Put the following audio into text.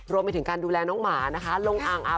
รวมไปถึงการดูแลน้องหมานะคะ